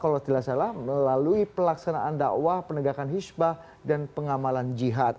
kalau tidak salah melalui pelaksanaan dakwah penegakan hisbah dan pengamalan jihad